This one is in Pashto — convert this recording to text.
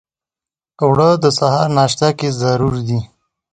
اوړه د سهار ناشته کې ضرور دي